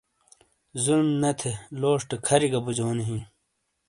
ظلم نے تھے، لوشٹے کھَری گہ بوجونی ہِیں۔